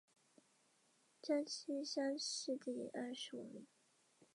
筱原爱实是出身于日本东京都的演员。